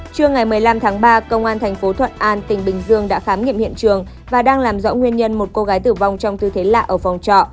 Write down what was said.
trưa ngày một mươi năm tháng ba công an thành phố thuận an tỉnh bình dương đã khám nghiệm hiện trường và đang làm rõ nguyên nhân một cô gái tử vong trong tư thế lạ ở phòng trọ